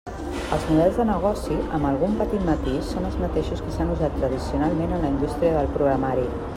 Els models de negoci, amb algun petit matís, són els mateixos que s'han usat tradicionalment en la indústria del programari.